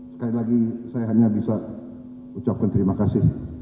sekali lagi saya hanya bisa ucapkan terima kasih